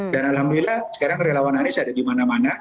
dan alhamdulillah sekarang relawan anies ada di mana mana